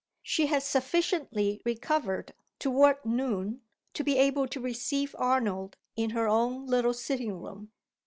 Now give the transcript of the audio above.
She had sufficiently recovered, toward noon, to be able to receive Arnold in her own little sitting room.